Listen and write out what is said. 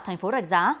thành phố rạch giá